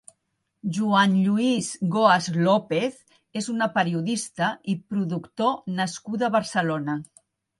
Joan Lluís Goas López és una periodista i productor nascuda a Barcelona.